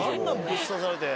ぶっ刺されて。